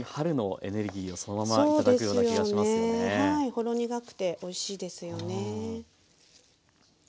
ほろ苦くておいしいですよね。